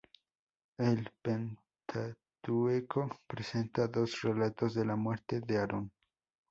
El Pentateuco presenta dos relatos de la muerte de Aarón.